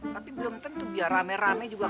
tapi belum tentu biar rame rame juga